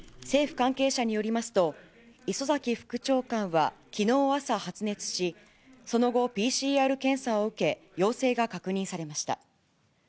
政府関係者によりますと、礒崎副長官はきのう朝、発熱し、その後、ＰＣＲ検査を受け、陽性が確認されました。